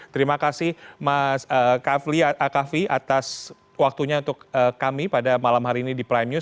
terima kasih mas kafli akavi atas waktunya untuk kami pada malam hari ini di prime news